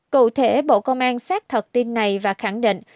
cụ thể bộ công an xác thật tin này và khẳng định